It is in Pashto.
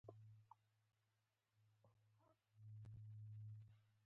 د سږو د پاکوالي لپاره د څه شي اوبه وڅښم؟